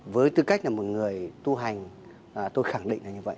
với tư cách là một người tu hành tôi khẳng định là như vậy